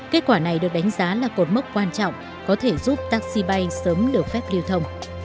kết quả này được đánh giá là cột mốc quan trọng có thể giúp taxi bay sớm được phép lưu thông